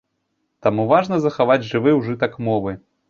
Таму важна захаваць жывы ўжытак мовы.